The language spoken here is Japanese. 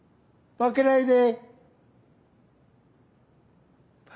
負けないで。